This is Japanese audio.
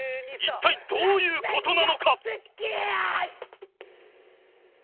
一体どういう事なのか？